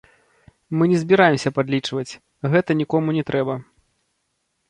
Мы не збіраемся падлічваць, гэта нікому не трэба.